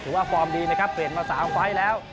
ถือว่าฟอร์มดีนะครับเปลี่ยนมา๓ฟัยแล้ว